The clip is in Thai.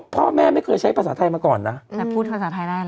พ่อแม่ไม่เคยใช้ภาษาไทยมาก่อนนะแต่พูดภาษาไทยได้นะ